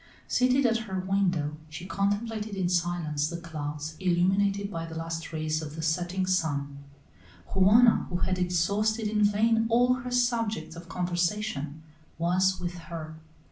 Seated at her window she contemplated in silence the clouds illumined by the last rays of the setting sun. Juana, who had exhausted in vain all her subjects of conversation, was with her.